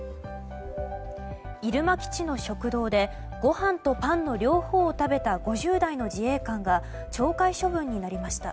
入間基地の食堂でごはんとパンの両方を食べた５０代の自衛官が懲戒処分になりました。